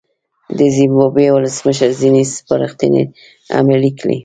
د زیمبابوې ولسمشر ځینې سپارښتنې عملي کړې.